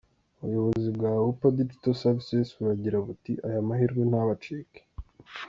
Ubuyobozi bwa Ahupa Digital Services, buragira buti “Aya mahirwe ntabacike.